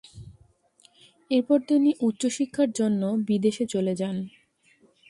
এরপর তিনি উচ্চশিক্ষার জন্য বিদেশে চলে যান।